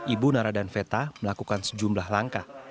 ibu nara dan veta melakukan sejumlah langkah